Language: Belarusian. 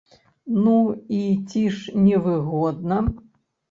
Ну, і ці ж невыгодна?